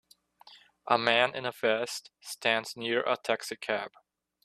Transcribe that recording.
A man in a vest stands near a taxi cab.